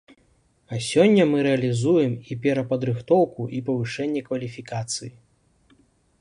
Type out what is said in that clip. А сёння мы рэалізуем і перападрыхтоўку і павышэнне кваліфікацыі.